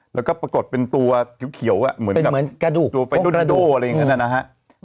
แล้วก็ปรากฏเป็นตัวเขียวเหมือนกระดูกตัวไปโดนาโดอะไรอย่างนั้นนะฮะ